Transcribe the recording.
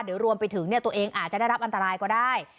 เดี๋ยวรวมไปถึงตัวเองอาจจะได้รับอันตรายก็ได้